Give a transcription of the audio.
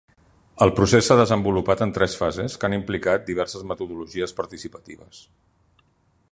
El procés s’ha desenvolupat en tres fases que han implicat diverses metodologies participatives.